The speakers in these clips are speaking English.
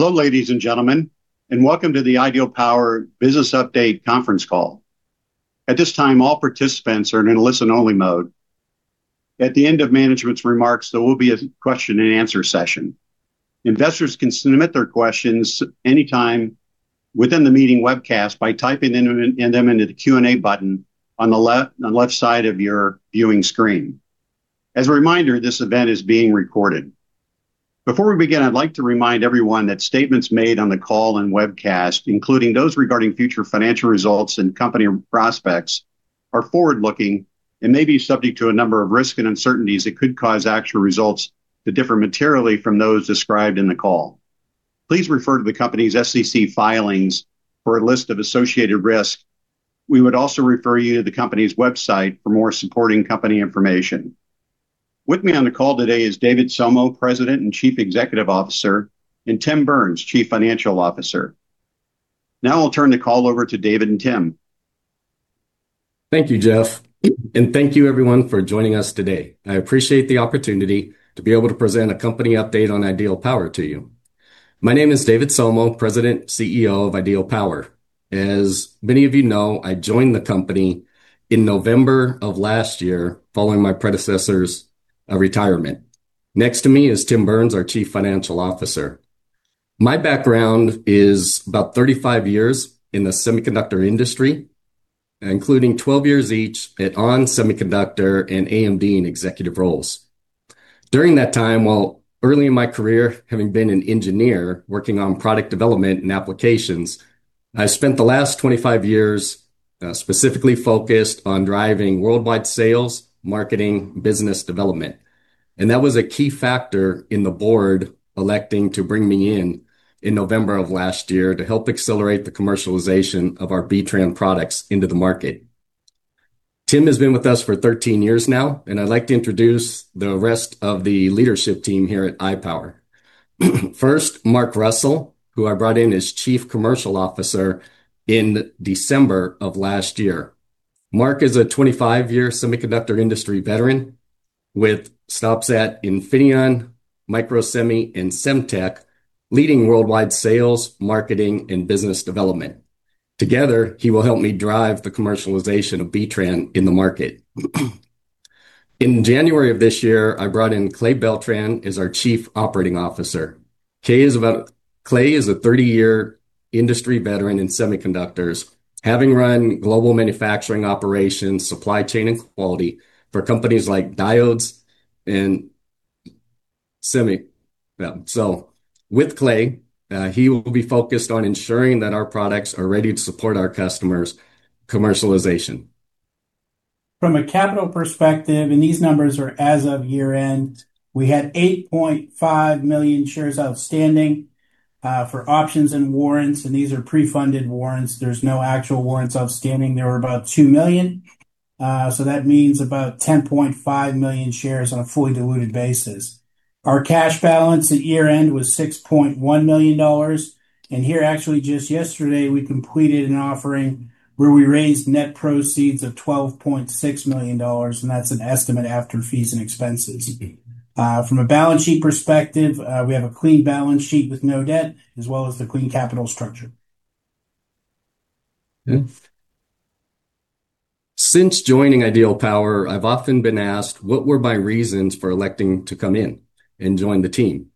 Hello, ladies and gentlemen, welcome to the Ideal Power business update conference call. At this time, all participants are in a listen-only mode. At the end of management's remarks, there will be a question-and-answer session. Investors can submit their questions anytime within the meeting webcast by typing them into the Q&A button on the left side of your viewing screen. As a reminder, this event is being recorded. Before we begin, I'd like to remind everyone that statements made on the call and webcast, including those regarding future financial results and company prospects, are forward-looking and may be subject to a number of risks and uncertainties that could cause actual results to differ materially from those described in the call. Please refer to the company's SEC filings for a list of associated risks. We would also refer you to the company's website for more supporting company information. With me on the call today is David Somo, President and Chief Executive Officer, and Tim Burns, Chief Financial Officer. I'll turn the call over to David and Tim. Thank you, Jeff, thank you everyone for joining us today. I appreciate the opportunity to be able to present a company update on Ideal Power to you. My name is David Somo, President, CEO of Ideal Power. As many of you know, I joined the company in November of last year, following my predecessor's retirement. Next to me is Tim Burns, our Chief Financial Officer. My background is about 35 years in the semiconductor industry, including 12 years each at ON Semiconductor and AMD in executive roles. During that time, while early in my career, having been an engineer working on product development and applications, I spent the last 25 years specifically focused on driving worldwide sales, marketing, business development, and that was a key factor in the board electing to bring me in in November of last year to help accelerate the commercialization of our B-TRAN products into the market. Tim has been with us for 13 years now, and I'd like to introduce the rest of the leadership team here at Ideal Power. First, Mark Russell, who I brought in as Chief Commercial Officer in December of last year. Mark is a 25-year semiconductor industry veteran with stops at Infineon, Microsemi, and Semtech, leading worldwide sales, marketing, and business development. Together, he will help me drive the commercialization of B-TRAN in the market. In January of this year, I brought in Clay Beltran as our Chief Operating Officer. Clay is a 30-year industry veteran in semiconductors, having run global manufacturing operations, supply chain, and quality for companies like Diodes and Semi. With Clay, he will be focused on ensuring that our products are ready to support our customers' commercialization. From a capital perspective, and these numbers are as of year-end, we had 8.5 million shares outstanding for options and warrants, and these are pre-funded warrants. There's no actual warrants outstanding. There were about 2 million, so that means about 10.5 million shares on a fully diluted basis. Our cash balance at year-end was $6.1 million, and here, actually, just yesterday, we completed an offering where we raised net proceeds of $12.6 million, and that's an estimate after fees and expenses. From a balance sheet perspective, we have a clean balance sheet with no debt, as well as the clean capital structure. Since joining Ideal Power, I've often been asked what were my reasons for electing to come in and join the team.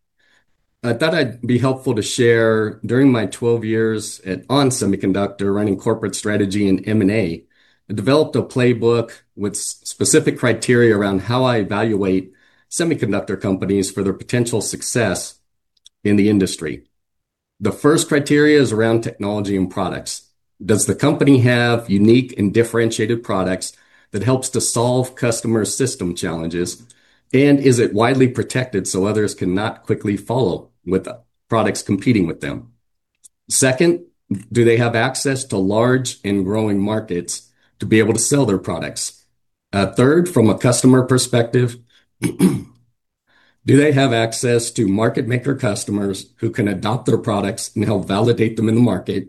I thought I'd be helpful to share, during my 12 years at ON Semiconductor, running corporate strategy and M&A, I developed a playbook with specific criteria around how I evaluate semiconductor companies for their potential success in the industry. The first criteria is around technology and products. Does the company have unique and differentiated products that helps to solve customer system challenges, and is it widely protected so others cannot quickly follow with products competing with them? Second, do they have access to large and growing markets to be able to sell their products? Third, from a customer perspective, do they have access to market maker customers who can adopt their products and help validate them in the market?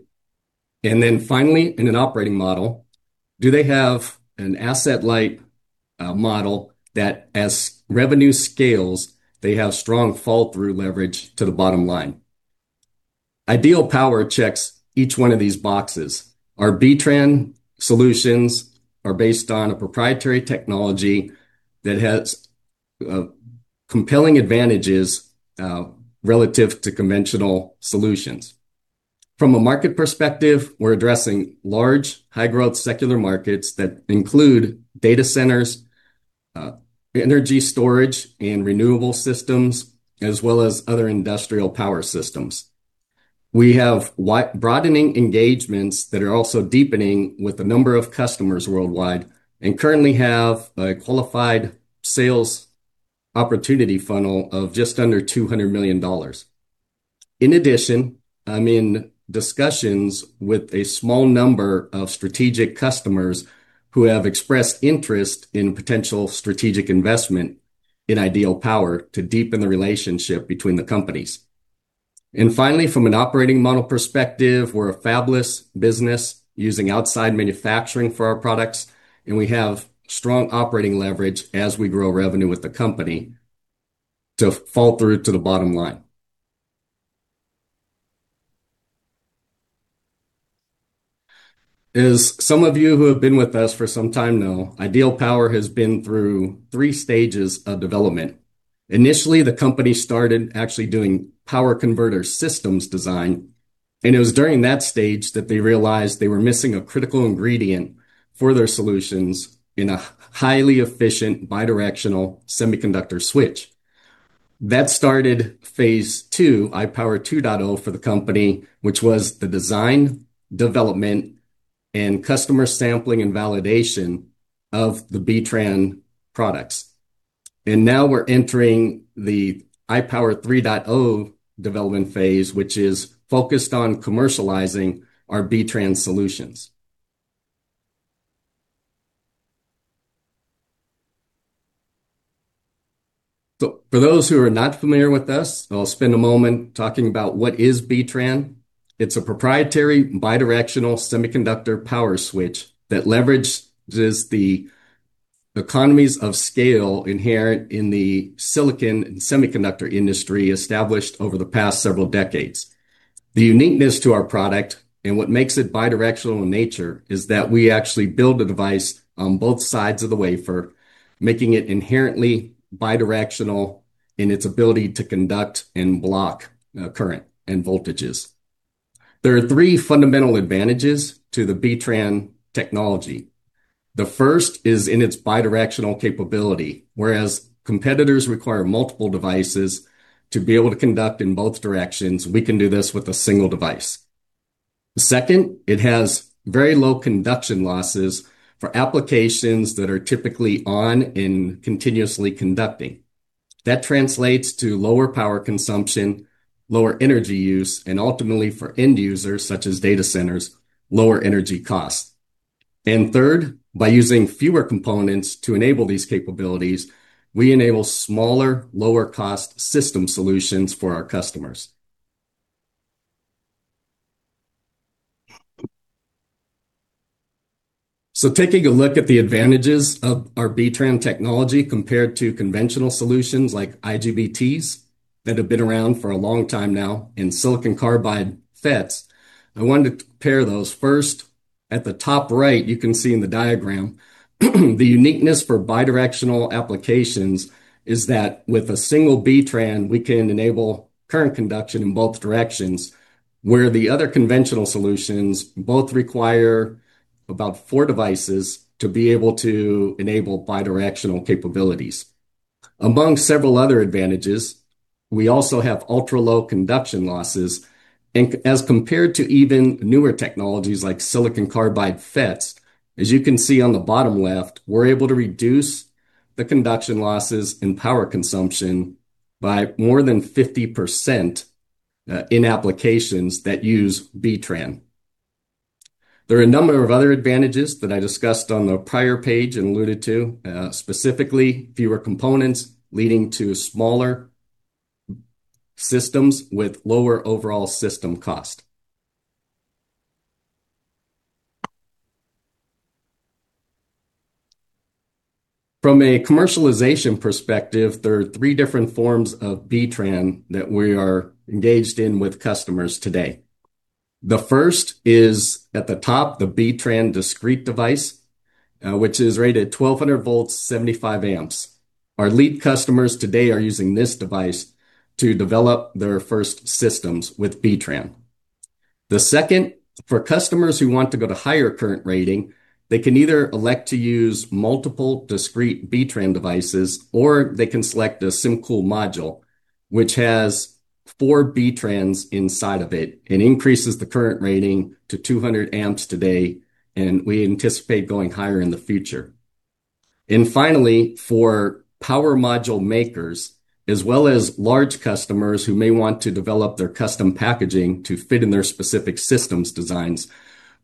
Finally, in an operating model, do they have an asset-light model that as revenue scales, they have strong fall-through leverage to the bottom line? Ideal Power checks each one of these boxes. Our B-TRAN solutions are based on a proprietary technology that has compelling advantages relative to conventional solutions. From a market perspective, we're addressing large, high-growth, secular markets that include data centers, energy storage, and renewable systems, as well as other industrial power systems. We have broadening engagements that are also deepening with a number of customers worldwide, and currently have a qualified sales opportunity funnel of just under $200 million. In addition, I'm in discussions with a small number of strategic customers who have expressed interest in potential strategic investment in Ideal Power to deepen the relationship between the companies. Finally, from an operating model perspective, we're a fabless business using outside manufacturing for our products, and we have strong operating leverage as we grow revenue with the company to fall through to the bottom line. As some of you who have been with us for some time know, Ideal Power has been through three stages of development. Initially, the company started actually doing power converter systems design, and it was during that stage that they realized they were missing a critical ingredient for their solutions in a highly efficient, bidirectional, semiconductor switch. That started Phase 2, iPower 2.0, for the company, which was the design, development, and customer sampling and validation of the B-TRAN products. Now we're entering the iPower 3.0 development phase, which is focused on commercializing our B-TRAN solutions. For those who are not familiar with this, I'll spend a moment talking about what is B-TRAN. It's a proprietary, bidirectional, semiconductor power switch that leverages the economies of scale inherent in the silicon and semiconductor industry established over the past several decades. The uniqueness to our product and what makes it bidirectional in nature is that we actually build the device on both sides of the wafer, making it inherently bidirectional in its ability to conduct and block current and voltages. There are three fundamental advantages to the B-TRAN technology. The first is in its bidirectional capability, whereas competitors require multiple devices to be able to conduct in both directions, we can do this with a single device. The second, it has very low conduction losses for applications that are typically on and continuously conducting. That translates to lower power consumption, lower energy use, and ultimately for end users, such as data centers, lower energy costs. Third, by using fewer components to enable these capabilities, we enable smaller, lower-cost system solutions for our customers. Taking a look at the advantages of our B-TRAN technology compared to conventional solutions like IGBTs, that have been around for a long time now, and silicon carbide FETs, I want to compare those. First, at the top right, you can see in the diagram, the uniqueness for bidirectional applications is that with a single B-TRAN, we can enable current conduction in both directions, where the other conventional solutions both require about four devices to be able to enable bidirectional capabilities. Among several other advantages, we also have ultra-low conduction losses as compared to even newer technologies like silicon carbide FETs. As you can see on the bottom left, we're able to reduce the conduction losses and power consumption by more than 50% in applications that use B-TRAN. There are a number of other advantages that I discussed on the prior page and alluded to, specifically, fewer components, leading to smaller systems with lower overall system cost. From a commercialization perspective, there are three different forms of B-TRAN that we are engaged in with customers today. The first is at the top, the B-TRAN Discrete device, which is rated 1200 volts, 75 amps. Our lead customers today are using this device to develop their first systems with B-TRAN. The second, for customers who want to go to higher current rating, they can either elect to use multiple discrete B-TRAN devices, or they can select a SymCool module, which has four B-TRANs inside of it and increases the current rating to 200 amps today, and we anticipate going higher in the future. Finally, for power module makers, as well as large customers who may want to develop their custom packaging to fit in their specific systems designs,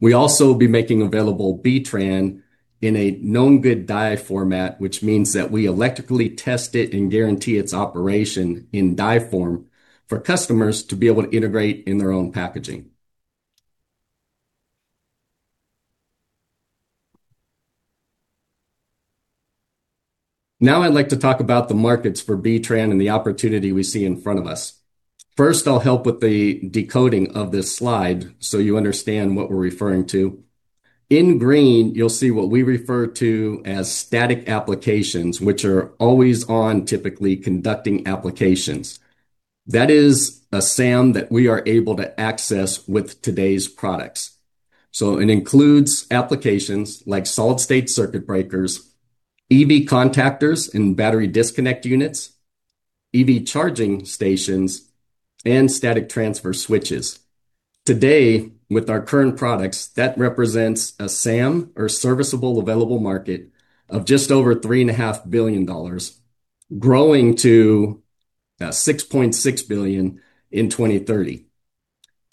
we also will be making available B-TRAN in a known-good die format, which means that we electrically test it and guarantee its operation in die form for customers to be able to integrate in their own packaging. Now, I'd like to talk about the markets for B-TRAN and the opportunity we see in front of us. First, I'll help with the decoding of this slide so you understand what we're referring to. In green, you'll see what we refer to as static applications, which are always on, typically conducting applications. That is a SAM that we are able to access with today's products. It includes applications like solid-state circuit breakers, EV contactors and battery disconnect units, EV charging stations, and static transfer switches. Today, with our current products, that represents a SAM, or serviceable available market, of just over $3.5 billion, growing to $6.6 billion in 2030.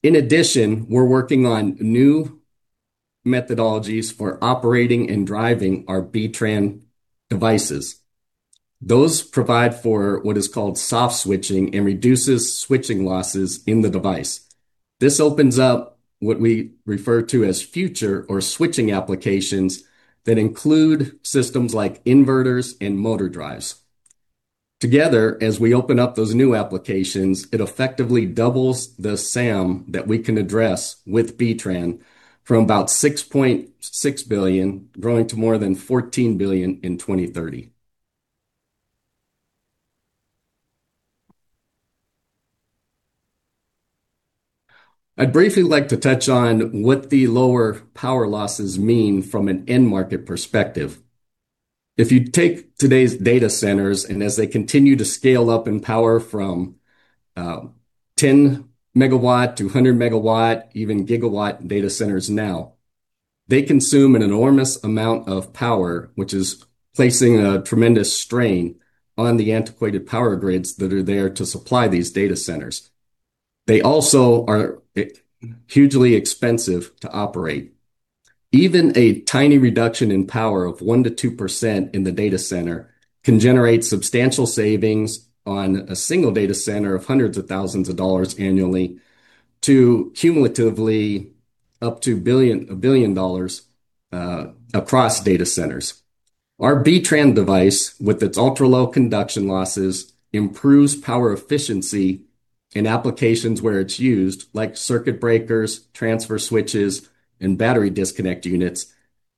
In addition, we're working on new methodologies for operating and driving our B-TRAN devices. Those provide for what is called soft switching and reduces switching losses in the device. This opens up what we refer to as future or switching applications that include systems like inverters and motor drives. Together, as we open up those new applications, it effectively doubles the SAM that we can address with B-TRAN from about $6.6 billion, growing to more than $14 billion in 2030. I'd briefly like to touch on what the lower power losses mean from an end market perspective. If you take today's data centers, and as they continue to scale up in power from 10 MW to 100 MW, even gigawatt data centers now, they consume an enormous amount of power, which is placing a tremendous strain on the antiquated power grids that are there to supply these data centers. They also are hugely expensive to operate. Even a tiny reduction in power of 1%-2% in the data center can generate substantial savings on a single data center of hundreds of thousands of dollars annually, to cumulatively up to $1 billion across data centers. Our B-TRAN device, with its ultra-low conduction losses, improves power efficiency in applications where it's used, like circuit breakers, transfer switches, and battery disconnect units,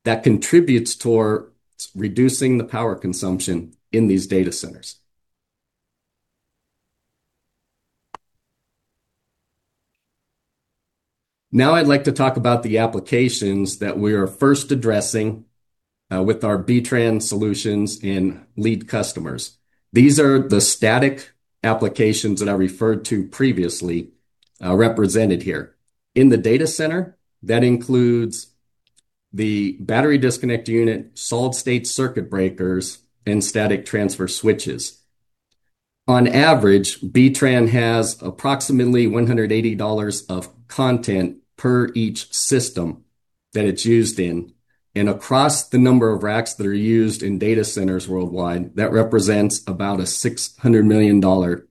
that contributes towards reducing the power consumption in these data centers. I'd like to talk about the applications that we are first addressing with our B-TRAN solutions in lead customers. These are the static applications that I referred to previously, represented here. In the data center, that includes the battery disconnect unit, solid-state circuit breakers, and static transfer switches. On average, B-TRAN has approximately $180 of content per each system that it's used in. Across the number of racks that are used in data centers worldwide, that represents about a $600 million or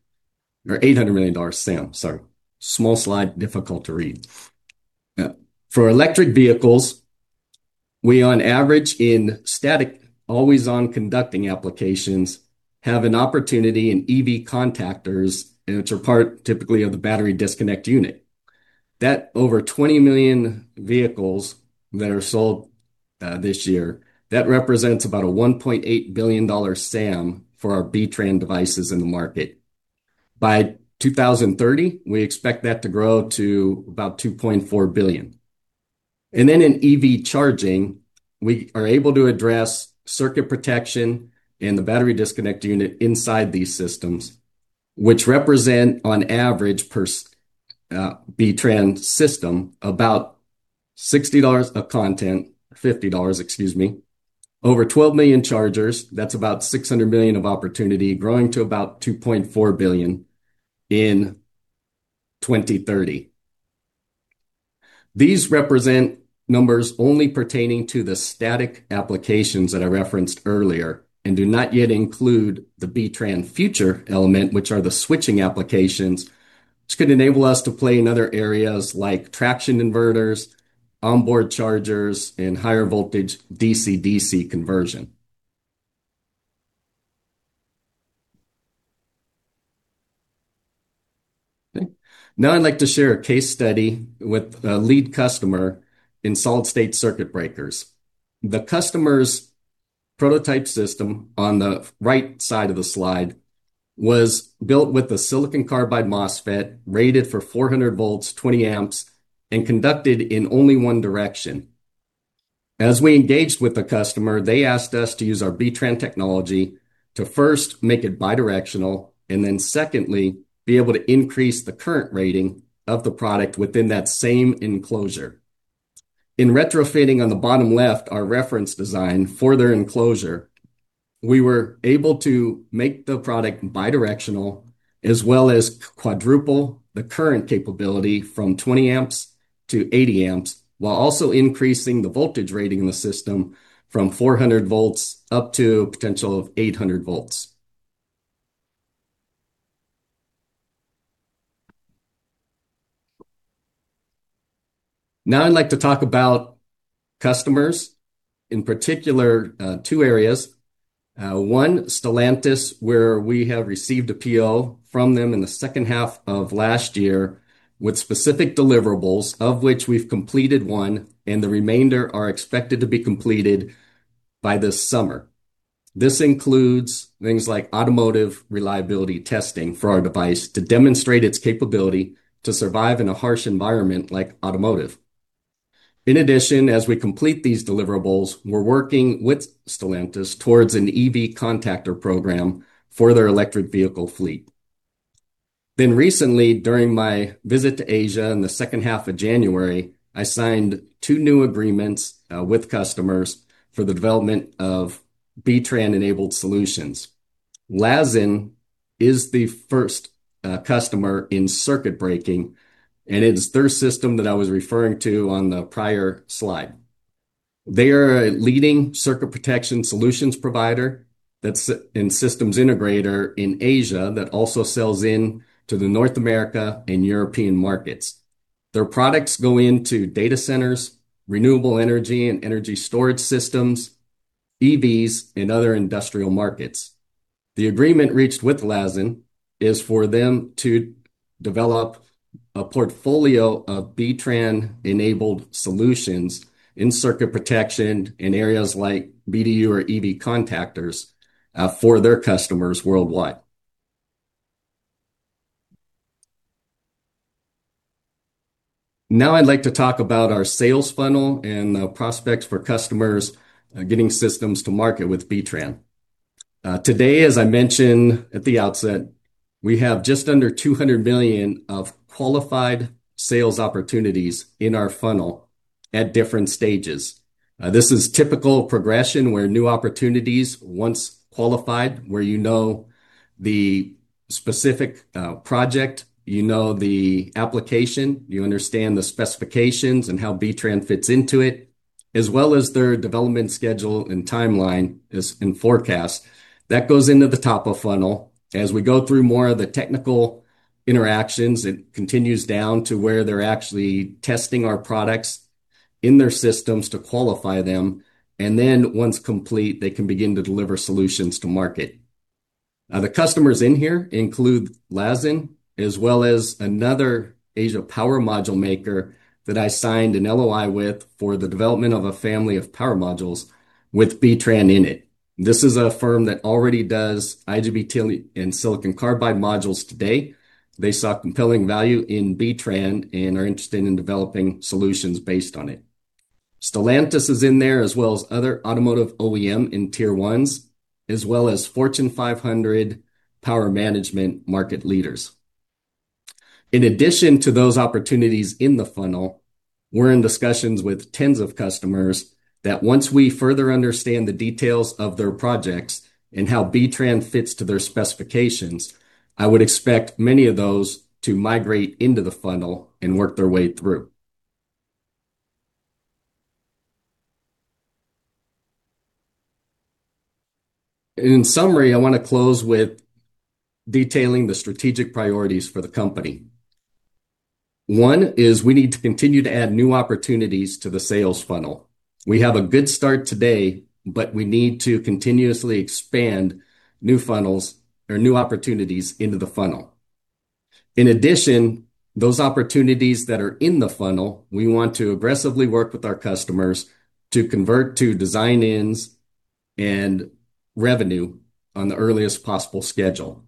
$800 million SAM, sorry. Small slide, difficult to read. For electric vehicles, we on average in static, always-on conducting applications, have an opportunity in EV contactors, and which are part typically of the battery disconnect unit. That over 20 million vehicles that are sold this year, that represents about a $1.8 billion SAM for our B-TRAN devices in the market. By 2030, we expect that to grow to about $2.4 billion. In EV charging, we are able to address circuit protection and the battery disconnect unit inside these systems, which represent, on average, per B-TRAN system, about $60 of content, $50, excuse me. Over 12 million chargers, that's about $600 million of opportunity, growing to about $2.4 billion in 2030. These represent numbers only pertaining to the static applications that I referenced earlier and do not yet include the B-TRAN future element, which are the switching applications, which could enable us to play in other areas like traction inverters, onboard chargers, and higher voltage DC-DC conversion. Okay. I'd like to share a case study with a lead customer in solid-state circuit breakers. The customer's prototype system on the right side of the slide was built with a silicon carbide MOSFET, rated for 400 V, 20 amps, and conducted in only one direction. As we engaged with the customer, they asked us to use our B-TRAN technology to first make it bidirectional, and then secondly, be able to increase the current rating of the product within that same enclosure. In retrofitting on the bottom left, our reference design for their enclosure, we were able to make the product bidirectional, as well as quadruple the current capability from 20 A to 80 A, while also increasing the voltage rating in the system from 400 V up to a potential of 800 V. Now, I'd like to talk about customers, in particular, two areas. One, Stellantis, where we have received a PO from them in the second half of last year with specific deliverables, of which we've completed one, and the remainder are expected to be completed by this summer. This includes things like automotive reliability testing for our device to demonstrate its capability to survive in a harsh environment like automotive. In addition, as we complete these deliverables, we're working with Stellantis towards an EV contactor program for their electric vehicle fleet. Recently, during my visit to Asia in the second half of January, I signed two new agreements with customers for the development of B-TRAN-enabled solutions. LAZZEN is the first customer in circuit breaking, and it's their system that I was referring to on the prior slide. They are a leading circuit protection solutions provider and systems integrator in Asia that also sells in to the North America and European markets. Their products go into data centers, renewable energy and energy storage systems, EVs, and other industrial markets. The agreement reached with LAZZEN is for them to develop a portfolio of B-TRAN enabled solutions in circuit protection in areas like BDU or EV contactors for their customers worldwide. I'd like to talk about our sales funnel and the prospects for customers getting systems to market with B-TRAN. Today, as I mentioned at the outset, we have just under $200 million of qualified sales opportunities in our funnel at different stages. This is typical progression, where new opportunities, once qualified, where you know the specific, project, you know the application, you understand the specifications and how B-TRAN fits into it, as well as their development schedule and timeline is in forecast. That goes into the top of funnel. As we go through more of the technical interactions, it continues down to where they're actually testing our products in their systems to qualify them, and then, once complete, they can begin to deliver solutions to market. The customers in here include LAZZEN, as well as another Asia power module maker that I signed an LOI with for the development of a family of power modules with B-TRAN in it. This is a firm that already does IGBT and silicon carbide modules today. They saw compelling value in B-TRAN and are interested in developing solutions based on it. Stellantis is in there, as well as other automotive OEM and Tier 1s, as well as Fortune 500 power management market leaders. To those opportunities in the funnel, we're in discussions with tens of customers that once we further understand the details of their projects and how B-TRAN fits to their specifications, I would expect many of those to migrate into the funnel and work their way through. I want to close with detailing the strategic priorities for the company. One is we need to continue to add new opportunities to the sales funnel. We have a good start today, we need to continuously expand new funnels or new opportunities into the funnel. Those opportunities that are in the funnel, we want to aggressively work with our customers to convert to design-ins and revenue on the earliest possible schedule.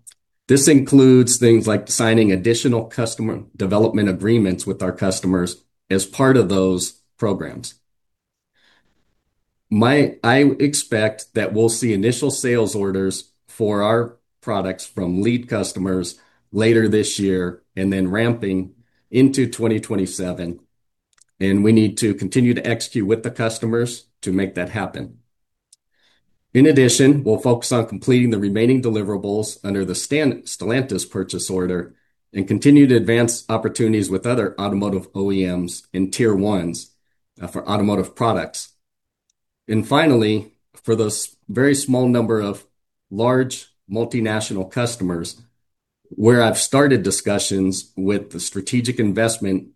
This includes things like signing additional customer development agreements with our customers as part of those programs. I expect that we'll see initial sales orders for our products from lead customers later this year, and then ramping into 2027, and we need to continue to execute with the customers to make that happen. In addition, we'll focus on completing the remaining deliverables under the Stellantis purchase order and continue to advance opportunities with other automotive OEMs and Tier 1s for automotive products. Finally, for those very small number of large multinational customers, where I've started discussions with the strategic investment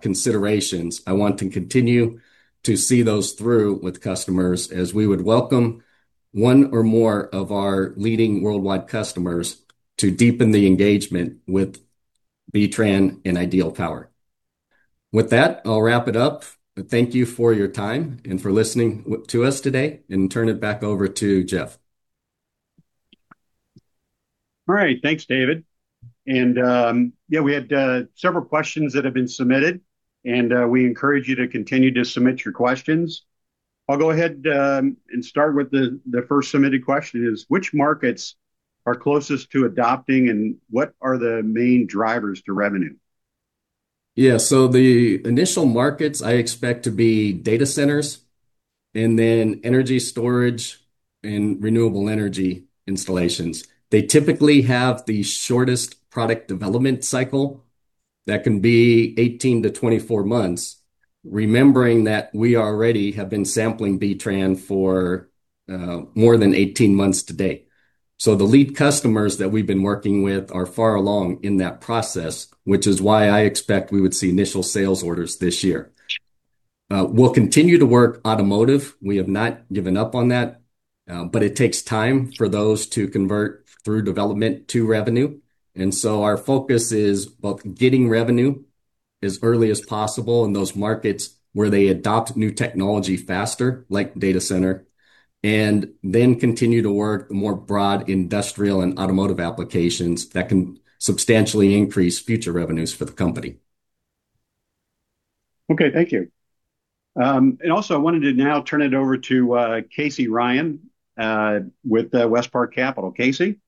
considerations, I want to continue to see those through with customers as we would welcome one or more of our leading worldwide customers to deepen the engagement with B-TRAN and Ideal Power. With that, I'll wrap it up. Thank you for your time and for listening to us today, and turn it back over to Jeff. All right. Thanks, David. Yeah, we had several questions that have been submitted, and we encourage you to continue to submit your questions. I'll go ahead and start with the first submitted question is, "Which markets are closest to adopting, and what are the main drivers to revenue? The initial markets I expect to be data centers, and then energy storage and renewable energy installations. They typically have the shortest product development cycle. That can be 18-24 months, remembering that we already have been sampling B-TRAN for more than 18 months today. The lead customers that we've been working with are far along in that process, which is why I expect we would see initial sales orders this year. We'll continue to work automotive. We have not given up on that, but it takes time for those to convert through development to revenue. Our focus is both getting revenue as early as possible in those markets where they adopt new technology faster, like data center, and then continue to work the more broad industrial and automotive applications that can substantially increase future revenues for the company. Okay. Thank you. Also, I wanted to now turn it over to Casey Ryan, with WestPark Capital. Casey?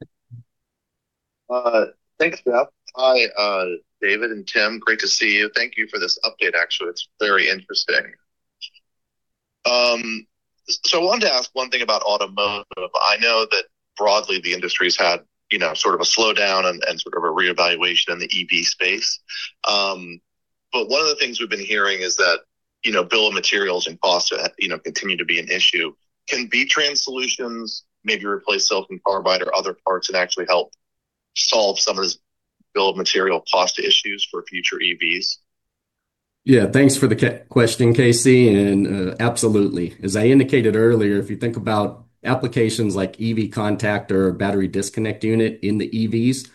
Thanks, Jeff. Hi, David and Tim. Great to see you. Thank you for this update, actually. It's very interesting. I wanted to ask one thing about automotive. I know that broadly, the industry's had, you know, sort of a slowdown and sort of a reevaluation in the EV space. One of the things we've been hearing is that, you know, bill of materials and cost to, you know, continue to be an issue. Can B-TRAN solutions maybe replace silicon carbide or other parts and actually help solve some of this bill of material cost issues for future EVs? Yeah, thanks for the question, Casey, and absolutely. As I indicated earlier, if you think about applications like EV contactor or battery disconnect unit in the EVs,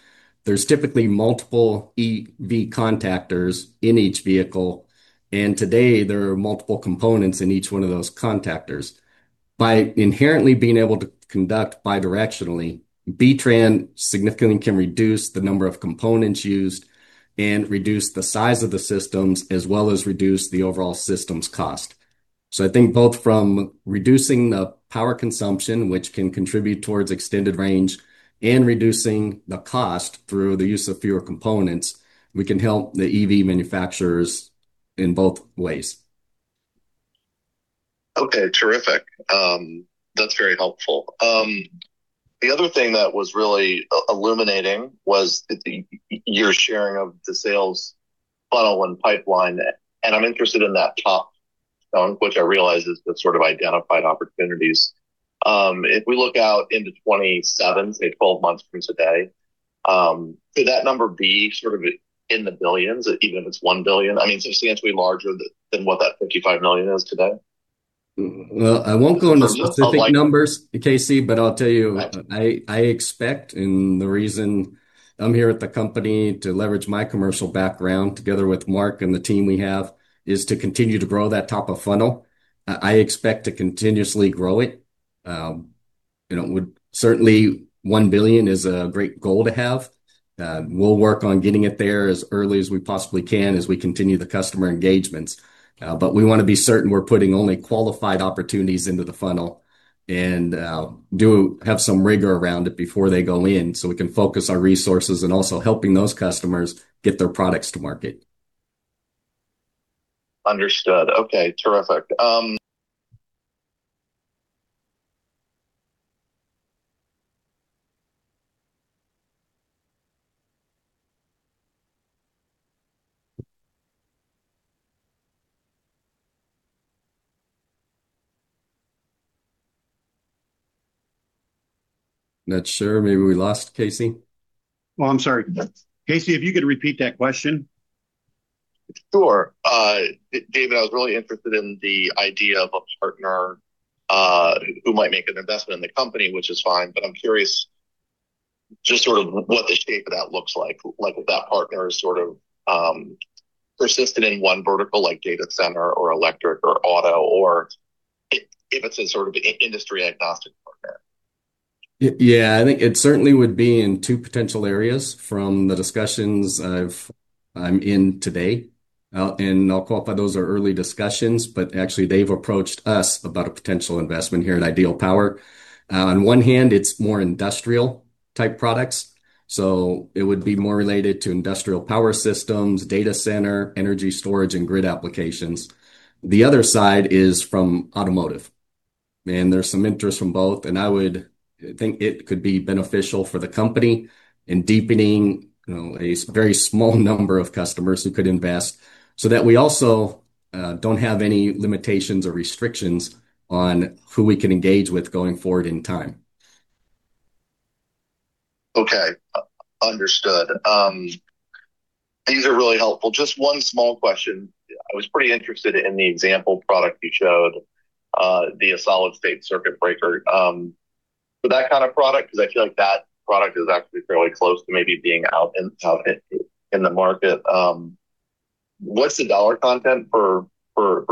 there's typically multiple EV contactors in each vehicle, and today, there are multiple components in each one of those contactors. By inherently being able to conduct bidirectionally, B-TRAN significantly can reduce the number of components used and reduce the size of the systems, as well as reduce the overall systems cost. I think both from reducing the power consumption, which can contribute towards extended range, and reducing the cost through the use of fewer components, we can help the EV manufacturers in both ways. Okay, terrific. That's very helpful. The other thing that was really illuminating was your sharing of the sales funnel and pipeline, and I'm interested in that top funnel, which I realize is the sort of identified opportunities. If we look out into 2027, say, twelve months from today, could that number be sort of in the billions, even if it's $1 billion? I mean, substantially larger than what that $55 million is today. Well, I won't go into- So, so like- specific numbers, Casey, I'll tell you, I expect, and the reason I'm here at the company to leverage my commercial background together with Mark and the team we have, is to continue to grow that top of funnel. I expect to continuously grow it. You know, certainly, $1 billion is a great goal to have. We'll work on getting it there as early as we possibly can as we continue the customer engagements. We want to be certain we're putting only qualified opportunities into the funnel and do have some rigor around it before they go in, so we can focus our resources and also helping those customers get their products to market. Understood. Okay, terrific. Not sure, maybe we lost Casey? Well, I'm sorry. Casey, if you could repeat that question. Sure. David, I was really interested in the idea of a partner, who might make an investment in the company, which is fine, but I'm curious just sort of what the shape of that looks like. Like, if that partner is sort of persistent in one vertical, like data center or electric or auto, or if it's a sort of industry agnostic partner. Yeah, I think it certainly would be in two potential areas from the discussions I'm in today. I'll qualify, those are early discussions, but actually, they've approached us about a potential investment here at Ideal Power. On one hand, it's more industrial-type products, so it would be more related to industrial power systems, data center, energy storage, and grid applications. The other side is from automotive, and there's some interest from both, and I would think it could be beneficial for the company in deepening, you know, a very small number of customers who could invest, so that we also don't have any limitations or restrictions on who we can engage with going forward in time. Okay, understood. These are really helpful. Just one small question. I was pretty interested in the example product you showed, the solid-state circuit breaker. For that kind of product, 'cause I feel like that product is actually fairly close to maybe being out in the market, what's the dollar content for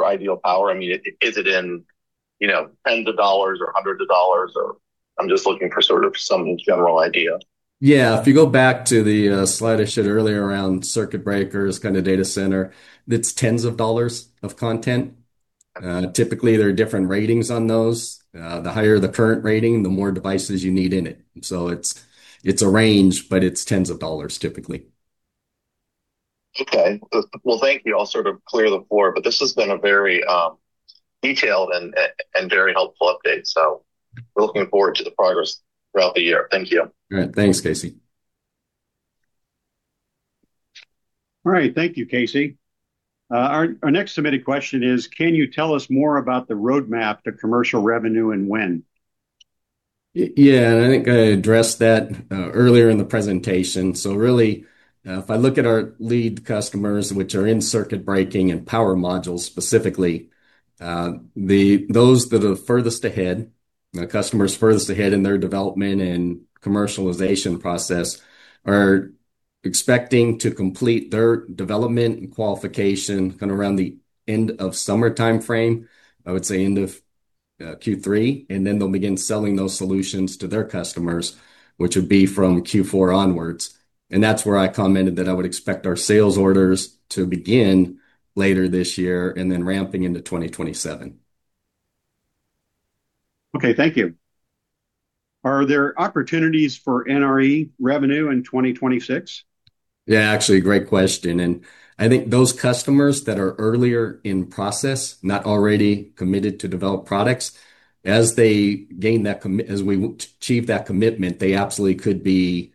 Ideal Power? I mean, is it in, you know, tens of dollars or hundreds of dollars or I'm just looking for sort of some general idea. Yeah. If you go back to the slide I showed earlier around circuit breakers, kind of data center, that's tens of dollars of content. Okay. Typically, there are different ratings on those. The higher the current rating, the more devices you need in it. It's a range, but it's tens of dollars, typically. Okay. Well, thank you. I'll sort of clear the floor, but this has been a very detailed and very helpful update. We're looking forward to the progress throughout the year. Thank you. All right. Thanks, Casey. All right. Thank you, Casey. Our next submitted question is: Can you tell us more about the roadmap to commercial revenue and when? Yeah, I think I addressed that earlier in the presentation. Really, if I look at our lead customers, which are in circuit breaking and power modules, specifically, those that are furthest ahead, the customers furthest ahead in their development and commercialization process, are expecting to complete their development and qualification kind of around the end of summer timeframe. I would say end of Q3, then they'll begin selling those solutions to their customers, which would be from Q4 onwards. That's where I commented that I would expect our sales orders to begin later this year and then ramping into 2027. Okay, thank you. Are there opportunities for NRE revenue in 2026? Yeah, actually, great question. I think those customers that are earlier in process, not already committed to develop products, As we achieve that commitment, they absolutely could be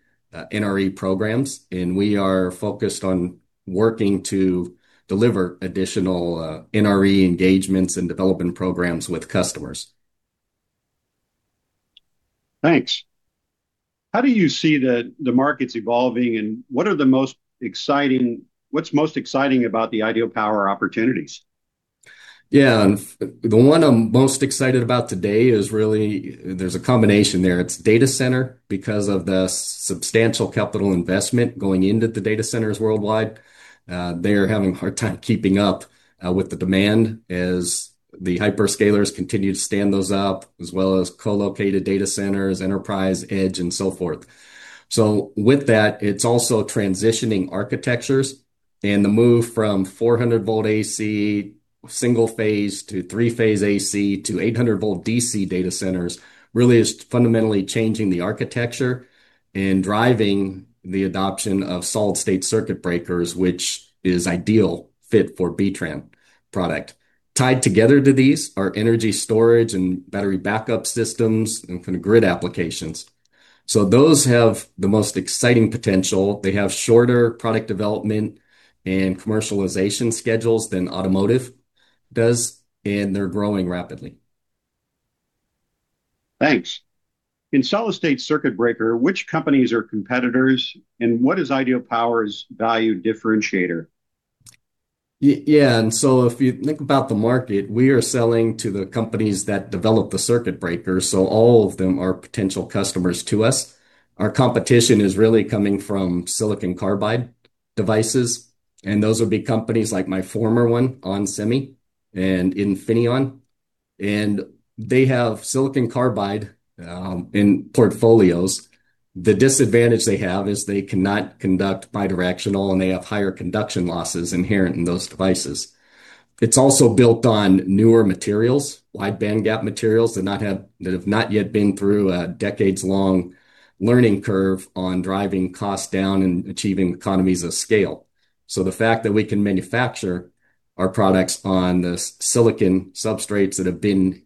NRE programs. We are focused on working to deliver additional NRE engagements and development programs with customers. Thanks. How do you see the markets evolving? What's most exciting about the Ideal Power opportunities? Yeah, the one I'm most excited about today is really, there's a combination there. It's data center, because of the substantial capital investment going into the data centers worldwide. They are having a hard time keeping up with the demand as the hyperscalers continue to stand those up, as well as co-located data centers, enterprise, edge, and so forth. With that, it's also transitioning architectures, and the move from 400 volt AC single phase to three-phase AC to 800 volt DC data centers really is fundamentally changing the architecture and driving the adoption of solid-state circuit breakers, which is ideal fit for B-TRAN product. Tied together to these are energy storage and battery backup systems and for the grid applications. Those have the most exciting potential. They have shorter product development and commercialization schedules than automotive does, and they're growing rapidly. Thanks. In solid-state circuit breaker, which companies are competitors, and what is Ideal Power's value differentiator? Yeah, If you think about the market, we are selling to the companies that develop the circuit breaker, All of them are potential customers to us. Our competition is really coming from silicon carbide devices, Those would be companies like my former one, ON Semi and Infineon, They have silicon carbide in portfolios. The disadvantage they have is they cannot conduct bidirectional, They have higher conduction losses inherent in those devices. It's also built on newer materials, wide bandgap materials, that have not yet been through a decades-long learning curve on driving costs down and achieving economies of scale. The fact that we can manufacture our products on the silicon substrates that have been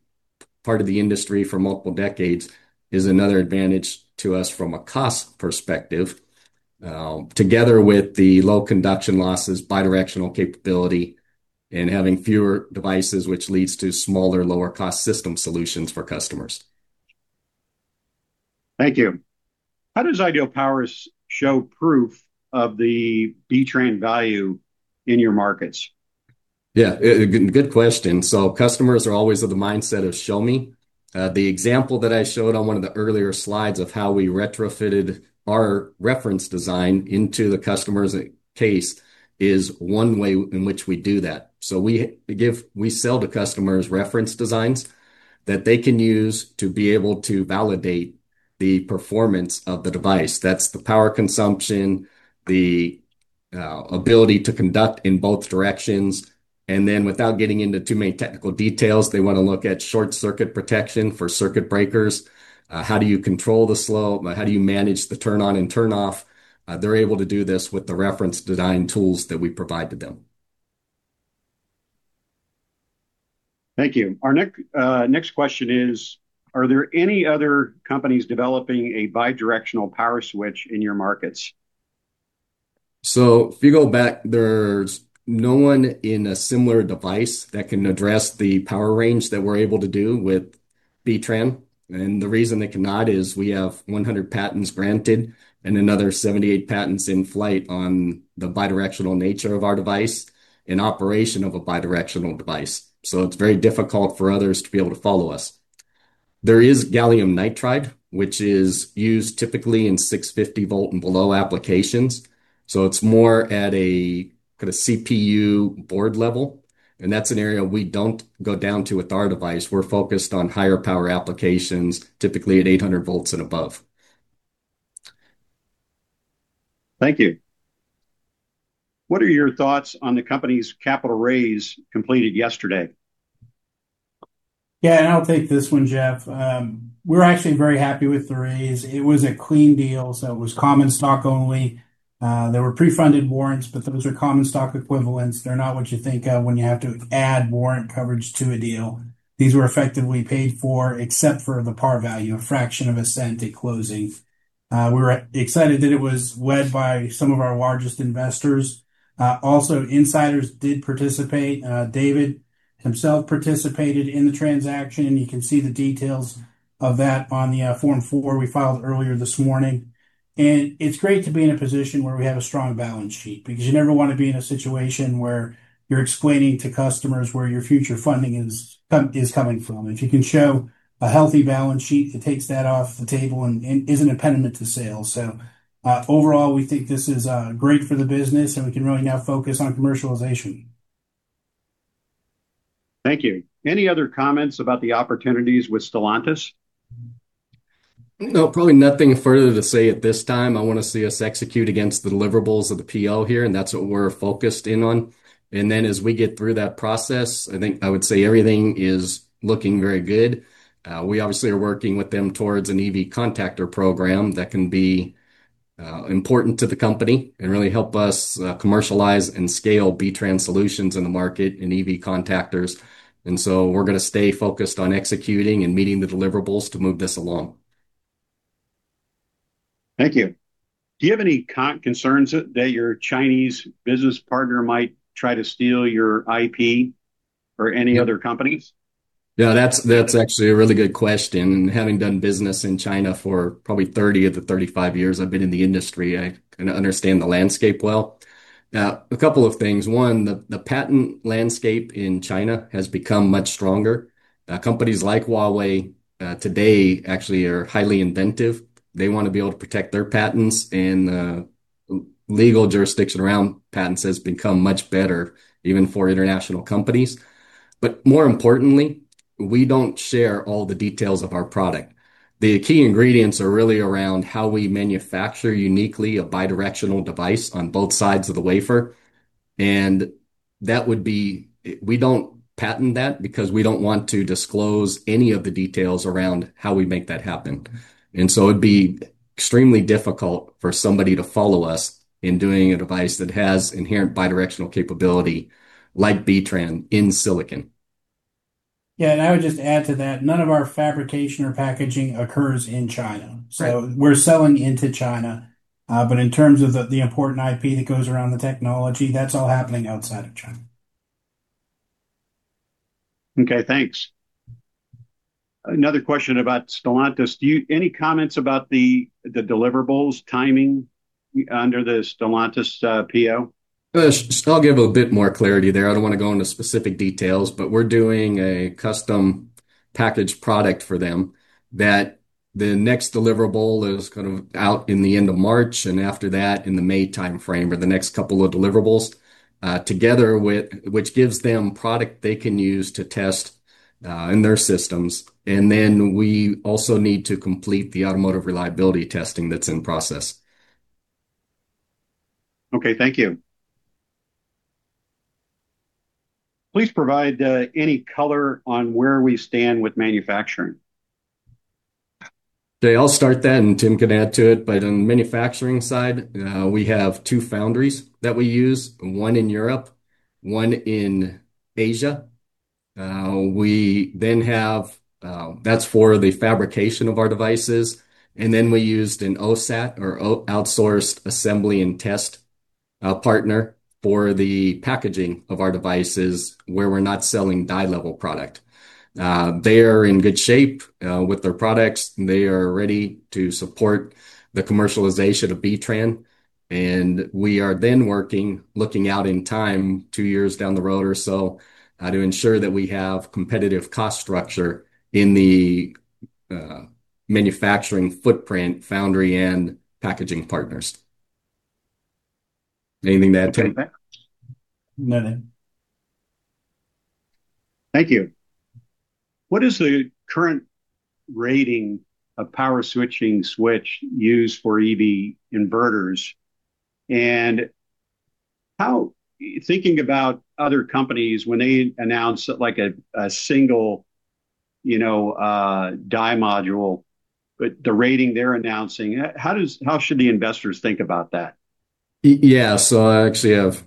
part of the industry for multiple decades is another advantage to us from a cost perspective, together with the low conduction losses, bidirectional capability, and having fewer devices, which leads to smaller, lower cost system solutions for customers. Thank you. How does Ideal Power show proof of the B-TRAN value in your markets? Good, good question. Customers are always of the mindset of, "Show me." The example that I showed on one of the earlier slides of how we retrofitted our reference design into the customer's case is one way in which we do that. We sell to customers reference designs that they can use to be able to validate the performance of the device. That's the power consumption, the ability to conduct in both directions, and then without getting into too many technical details, they want to look at short circuit protection for circuit breakers. How do you control the slope? How do you manage the turn on and turn off? They're able to do this with the reference design tools that we provide to them. Thank you. Our next question is: Are there any other companies developing a bidirectional power switch in your markets? If you go back, there's no one in a similar device that can address the power range that we're able to do with B-TRAN. The reason they cannot is we have 100 patents granted and another 78 patents in flight on the bidirectional nature of our device and operation of a bidirectional device. It's very difficult for others to be able to follow us. Gallium nitride, which is used typically in 650V and below applications, so it's more at a kind of CPU board level, and that's an area we don't go down to with our device. We're focused on higher power applications, typically at 800V and above. Thank you. What are your thoughts on the company's capital raise completed yesterday? Yeah, I'll take this one, Jeff. We're actually very happy with the raise. It was a clean deal. It was common stock only. There were pre-funded warrants, but those are common stock equivalents. They're not what you think of when you have to add warrant coverage to a deal. These were effectively paid for, except for the par value, a fraction of a cent at closing. We were excited that it was led by some of our largest investors. Insiders did participate. David himself participated in the transaction. You can see the details of that on the Form 4 we filed earlier this morning. It's great to be in a position where we have a strong balance sheet, because you never want to be in a situation where you're explaining to customers where your future funding is coming from. If you can show a healthy balance sheet, it takes that off the table and isn't a impediment to sales. Overall, we think this is great for the business, and we can really now focus on commercialization. Thank you. Any other comments about the opportunities with Stellantis? No, probably nothing further to say at this time. I want to see us execute against the deliverables of the PO here, and that's what we're focused in on. Then, as we get through that process, I think I would say everything is looking very good. We obviously are working with them towards an EV contactor program that can be important to the company and really help us commercialize and scale B-TRAN solutions in the market and EV contactors. So we're gonna stay focused on executing and meeting the deliverables to move this along. Thank you. Do you have any concerns that your Chinese business partner might try to steal your IP or any other companies? Yeah, that's actually a really good question. Having done business in China for probably 30 of the 35 years I've been in the industry, I kinda understand the landscape well. Now, a couple of things. One, the patent landscape in China has become much stronger. Companies like Huawei today actually are highly inventive. They want to be able to protect their patents, and legal jurisdiction around patents has become much better, even for international companies. More importantly, we don't share all the details of our product. The key ingredients are really around how we manufacture uniquely a bidirectional device on both sides of the wafer. We don't patent that because we don't want to disclose any of the details around how we make that happen. It'd be extremely difficult for somebody to follow us in doing a device that has inherent bidirectional capability like B-TRAN in silicon. Yeah, I would just add to that, none of our fabrication or packaging occurs in China. Right. We're selling into China, but in terms of the important IP that goes around the technology, that's all happening outside of China. Okay, thanks. Another question about Stellantis. Any comments about the deliverables timing under the Stellantis PO? I'll give a bit more clarity there. I don't want to go into specific details, but we're doing a custom package product for them that the next deliverable is kind of out in the end of March, after that, in the May time frame, or the next couple of deliverables, which gives them product they can use to test in their systems. We also need to complete the automotive reliability testing that's in process. Okay, thank you. Please provide any color on where we stand with manufacturing. I'll start that, and Tim can add to it. On the manufacturing side, we have two foundries that we use, one in Europe, one in Asia. We then have. That's for the fabrication of our devices, and then we used an OSAT, or outsourced assembly and test partner for the packaging of our devices, where we're not selling die-level product. They are in good shape, with their products, and they are ready to support the commercialization of B-TRAN, and we are then working, looking out in time, two years down the road or so, to ensure that we have competitive cost structure in the manufacturing footprint, foundry, and packaging partners. Anything to add, Tim? No, nothing. Thank you. What is the current rating of power switching switch used for EV inverters? Thinking about other companies when they announce, like, a single, you know, die module, but the rating they're announcing, how should the investors think about that? Yeah, so I actually have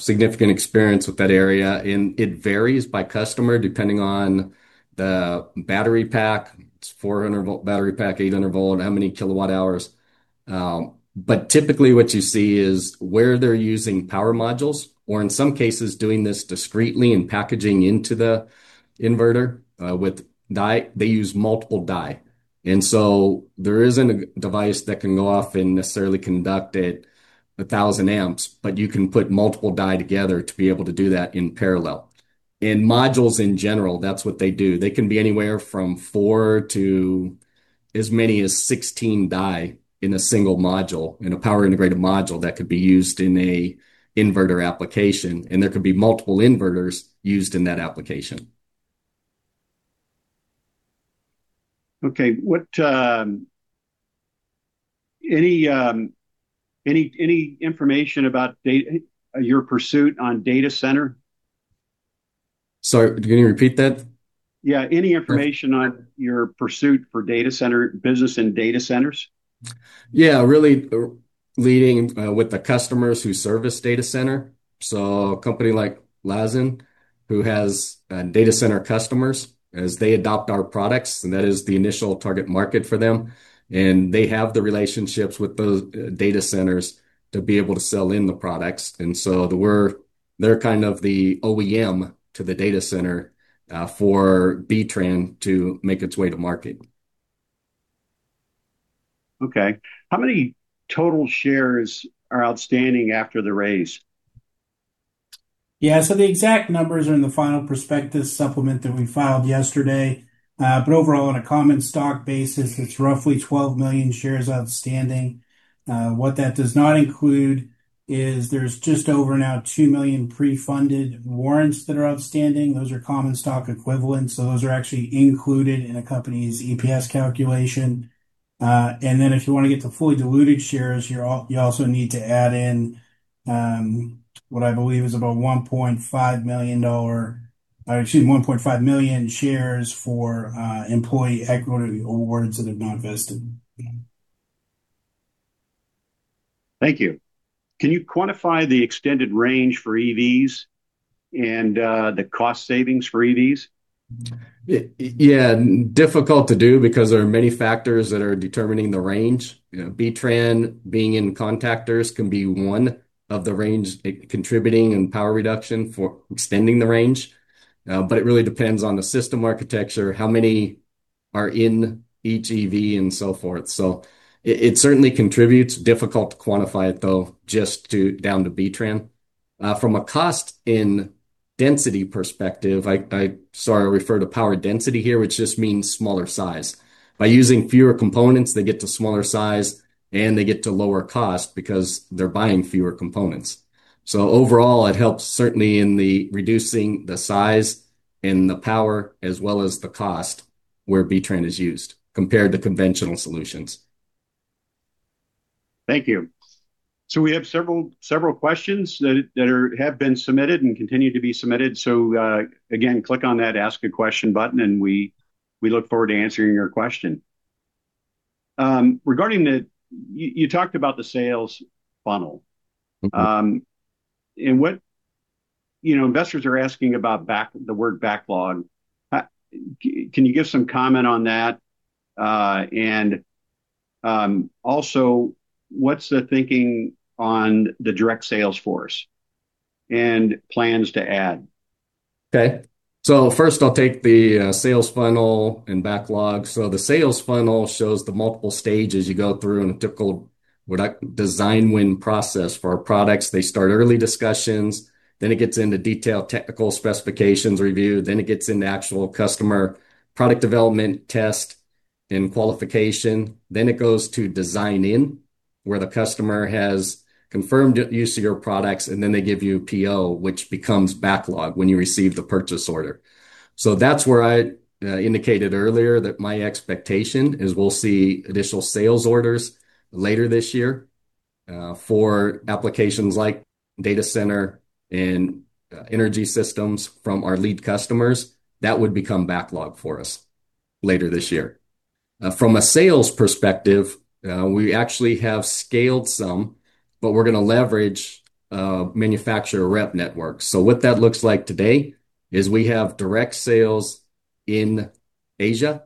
significant experience with that area, and it varies by customer, depending on the battery pack. It's 400V battery pack, 800V, how many kWh? But typically what you see is where they're using power modules, or in some cases, doing this discretely and packaging into the inverter, with die, they use multiple die. There isn't a device that can go off and necessarily conduct at 1,000 amps, but you can put multiple die together to be able to do that in parallel. In modules in general, that's what they do. They can be anywhere from four to as many as 16 die in a single module, in a power integrated module, that could be used in a inverter application, and there could be multiple inverters used in that application. Okay, what, Any information about data, your pursuit on data center? Sorry, can you repeat that? Yeah. Sure. Any information on your pursuit for data center, business and data centers? Yeah, really leading with the customers who service data center. A company like LAZZEN, who has data center customers, as they adopt our products, and that is the initial target market for them, and they have the relationships with those data centers to be able to sell in the products. They're kind of the OEM to the data center for B-TRAN to make its way to market. Okay. How many total shares are outstanding after the raise? So the exact numbers are in the final prospectus supplement that we filed yesterday. Overall, on a common stock basis, it's roughly 12 million shares outstanding. What that does not include is there's just over now 2 million pre-funded warrants that are outstanding. Those are common stock equivalents, so those are actually included in a company's EPS calculation. If you want to get to fully diluted shares, you also need to add in what I believe is about 1.5 million shares for employee equity awards that have not vested. Thank you. Can you quantify the extended range for EVs and the cost savings for EVs? Yeah, difficult to do because there are many factors that are determining the range. You know, B-TRAN being in contactors can be one of the range, contributing and power reduction for extending the range. It really depends on the system architecture, how many are in each EV, and so forth. It certainly contributes. Difficult to quantify it, though, just to down to B-TRAN. From a cost in density perspective, I refer to power density here, which just means smaller size. By using fewer components, they get to smaller size, and they get to lower cost because they're buying fewer components. Overall, it helps certainly in the reducing the size and the power, as well as the cost, where B-TRAN is used compared to conventional solutions. Thank you. We have several questions that have been submitted and continue to be submitted. Again, click on that Ask a Question button, and we look forward to answering your question. Regarding the... you talked about the sales funnel. You know, investors are asking about back, the word backlog. Can you give some comment on that? Also, what's the thinking on the direct sales force and plans to add? Okay. First I'll take the sales funnel and backlog. The sales funnel shows the multiple stages you go through in a typical product design win process. For our products, they start early discussions, then it gets into detailed technical specifications review, then it gets into actual customer product development, test, and qualification. Then it goes to design-in, where the customer has confirmed use of your products, and then they give you a PO, which becomes backlog when you receive the purchase order. That's where I indicated earlier that my expectation is we'll see additional sales orders later this year for applications like data center and energy systems from our lead customers. That would become backlog for us later this year. From a sales perspective, we actually have scaled some, but we're going to leverage manufacturer rep networks. What that looks like today is we have direct sales in Asia,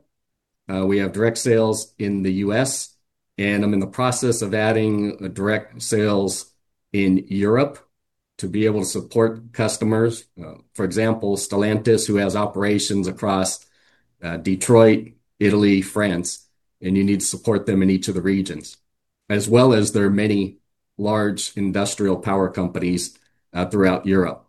we have direct sales in the U.S., and I'm in the process of adding a direct sales in Europe to be able to support customers. For example, Stellantis, who has operations across Detroit, Italy, France, and you need to support them in each of the regions, as well as there are many large industrial power companies throughout Europe.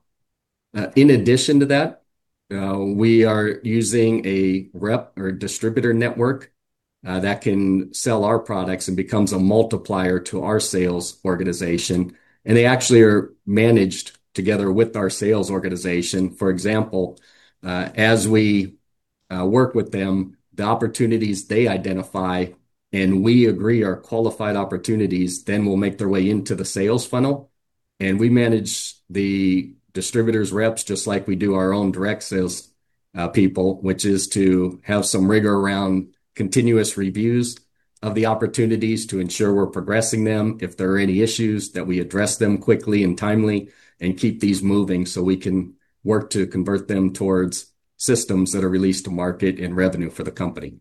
In addition to that, we are using a rep or distributor network that can sell our products and becomes a multiplier to our sales organization, and they actually are managed together with our sales organization. For example, as we work with them, the opportunities they identify and we agree are qualified opportunities, then will make their way into the sales funnel. We manage the distributors' reps just like we do our own direct sales people, which is to have some rigor around continuous reviews of the opportunities to ensure we're progressing them. If there are any issues, that we address them quickly and timely and keep these moving so we can work to convert them towards systems that are released to market and revenue for the company.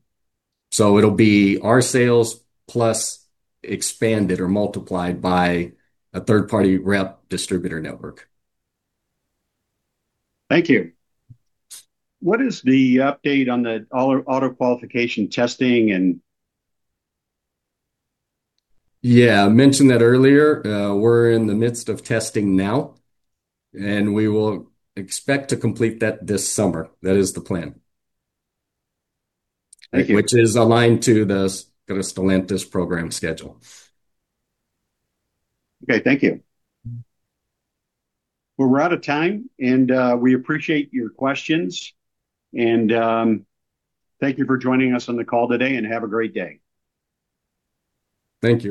It'll be our sales plus expanded or multiplied by a third-party rep distributor network. Thank you. What is the update on the auto qualification testing and- Yeah, I mentioned that earlier. We're in the midst of testing now. We will expect to complete that this summer. That is the plan. Thank you. Which is aligned to the Stellantis program schedule. Okay. Thank you. Well, we're out of time. We appreciate your questions. Thank you for joining us on the call today. Have a great day. Thank you.